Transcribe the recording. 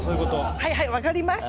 はいはい分かりました。